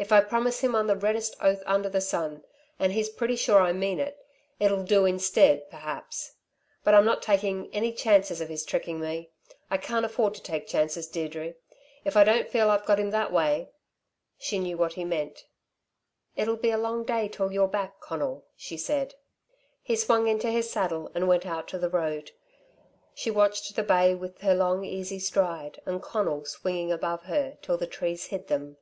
"If I promise him on the reddest oath under the sun, and he's pretty sure I mean it it'll do instead, perhaps. But I'm not taking any chances of his trickin' me. I can't afford to take chances, Deirdre. If I don't feel I've got him that way " She knew what he meant. "It'll be a long day till you're back, Conal," she said. He swung into his saddle, and went out to the road. She watched the bay with her long easy stride and Conal swinging above her, till the trees hid them.